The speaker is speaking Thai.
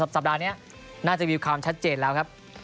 สัปดาห์นี้น่าจะมีความชัดเจนแล้วครับ